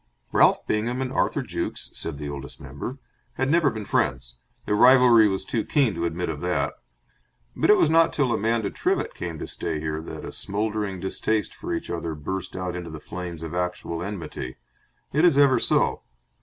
Ralph Bingham and Arthur Jukes (said the Oldest Member) had never been friends their rivalry was too keen to admit of that but it was not till Amanda Trivett came to stay here that a smouldering distaste for each other burst out into the flames of actual enmity. It is ever so.